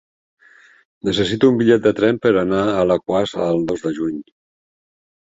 Necessito un bitllet de tren per anar a Alaquàs el dos de juny.